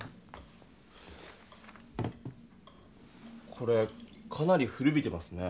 これかなり古びてますね。